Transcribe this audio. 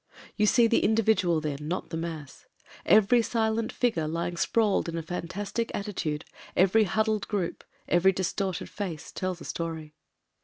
You sec the individual then, not the mass. Every silent figure lying sprawled in fantastic attitude, every huddled group, every distorted face tells a story.